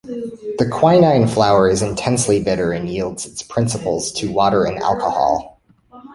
The quinine flower is intensely bitter and yields its principles to water and alcohol.